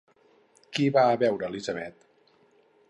Qui va a veure Elizabeth?